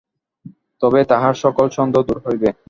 তবেই তাহার সকল সন্দেহ দূর হইবে।